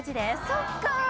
そっか！